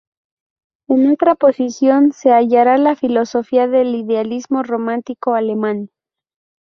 En otra posición se hallará la filosofía del idealismo romántico alemán.